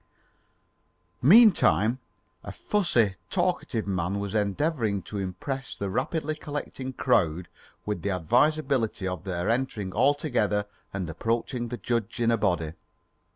Meantime, a fussy, talkative man was endeavouring to impress the rapidly collecting crowd with the advisability of their entering all together and approaching the judge in a body.